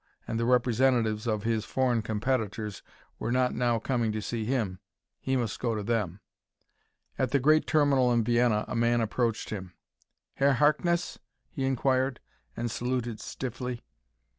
And the representatives of his foreign competitors were not now coming to see him; he must go to them. At the great terminal in Vienna a man approached him. "Herr Harkness?" he inquired, and saluted stiffly.